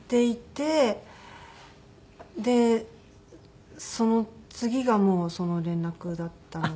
でその次がもうその連絡だったので。